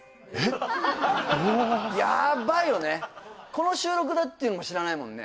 この収録だっていうのも知らないもんね